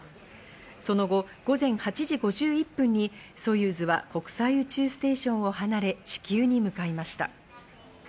その後、午前８時５１分にソユーズは国際宇宙ステーションを離れ、地球に向かいました。